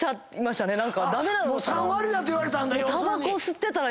３割だと言われたんだ要するに。